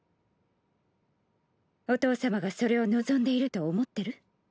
お父様がそれを望んでいると思ってる？